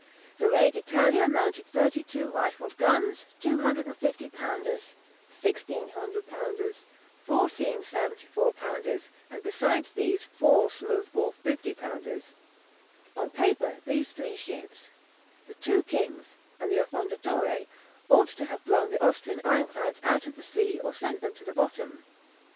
The "Re d'Italia" mounted thirty two rifled guns, two 150 pounders, sixteen 100 pounders, fourteen 74 pounders, and besides these four smooth bore 50 pounders. On paper these three ships, the two "Kings" and the "Affondatore," ought to have blown the Austrian ironclads out of the sea or sent them to the bottom.